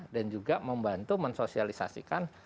dan juga membantu mensosialisasikan